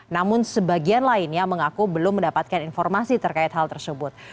namun sebagian lainnya mengaku belum mendapatkan informasi terkait hal tersebut